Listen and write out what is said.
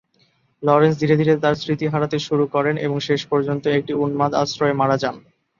Lawrence ধীরে ধীরে তার স্মৃতি হারাতে শুরু করেন এবং শেষ পর্যন্ত একটি উন্মাদ আশ্রয়ে মারা যান।